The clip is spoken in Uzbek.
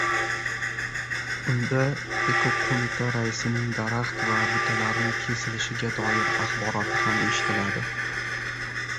Unda ekoqo‘mita raisining daraxt va butalarni kesilishiga doir axboroti ham eshitiladi